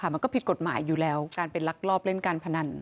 มันก็ผิดกฎหมายอยู่แล้วการไปลักลอบเล่นการพนัน